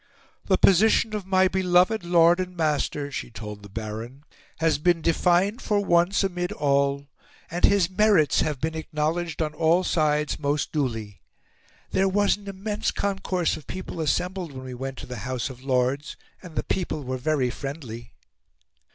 "The position of my beloved lord and master," she told the Baron, "has been defined for once amid all and his merits have been acknowledged on all sides most duly. There was an immense concourse of people assembled when we went to the House of Lords, and the people were very friendly."